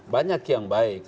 banyak yang baik